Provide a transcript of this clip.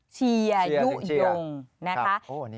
เชียร์ยุโยงนะคะ